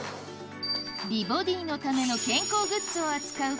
美ボディーのための健康グッズを扱う